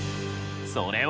それは。